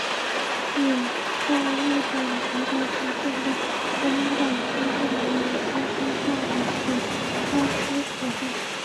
也在日本投降后见到国民党军政人员接收上海的贪污腐败。